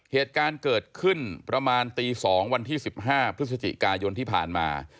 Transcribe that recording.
เหตุการณ์เกิดขึ้นประมาณตี๒วันที่๑๕พฤศจิกายนที่ผ่านมา